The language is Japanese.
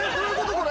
これ。